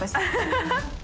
ハハハ